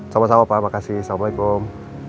sama sama pak makasih assalamualaikum